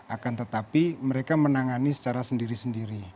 akan tetapi mereka menangani secara sendiri sendiri